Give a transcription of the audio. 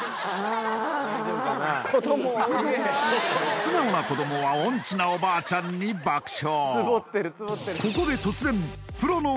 素直な子供は音痴なおばあちゃんに爆笑。